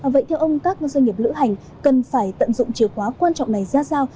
vậy theo ông các doanh nghiệp lữ hành cần phải tận dụng chìa khóa quan trọng này ra sao